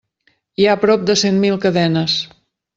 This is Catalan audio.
Hi ha prop de cent mil cadenes.